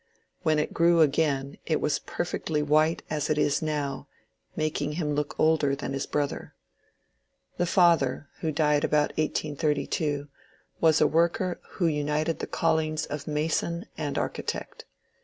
When it grew again it was perfectly white as it is now, mak ing him look older than his brother. The father, who died about 1832, was a worker who united the callings of mason and architect.